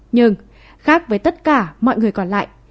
nhưng khác với tất cả mọi người còn lại